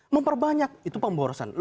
memperbanyak itu pemborosan